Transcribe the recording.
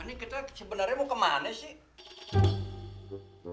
ini kita sebenarnya mau kemana sih